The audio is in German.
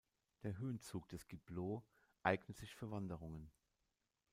Der Höhenzug des Gibloux eignet sich für Wanderungen.